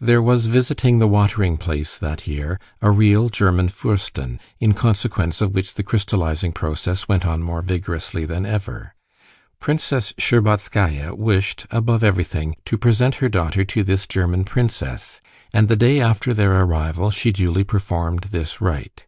There was visiting the watering place that year a real German Fürstin, in consequence of which the crystallizing process went on more vigorously than ever. Princess Shtcherbatskaya wished, above everything, to present her daughter to this German princess, and the day after their arrival she duly performed this rite.